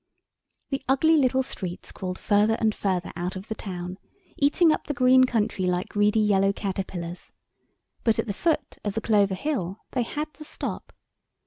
The ugly little streets crawled further and further out of the town, eating up the green country like greedy yellow caterpillars, but at the foot of the Clover Hill they had to stop.